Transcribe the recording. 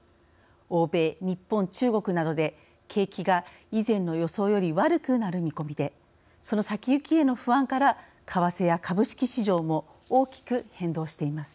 欧米、日本、中国などで景気が以前の予想より悪くなる見込みでその先行きへの不安から為替や株式市場も大きく変動しています。